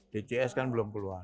di cs kan belum keluar